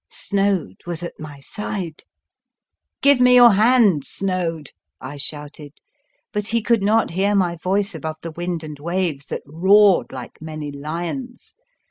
Snoad was at my side. The Fearsome Island " Give me your hand, Snoad," I shouted, but he could not hear my voice above the wind and waves that roared like many lions.